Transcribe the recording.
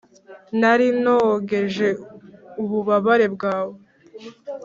nari nogeje ububabare bwawe.